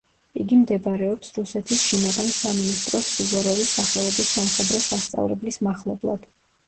იგი მდებარეობს რუსეთის შინაგან სამინისტროს სუვოროვის სახელობის სამხედრო სასწავლებლის მახლობლად.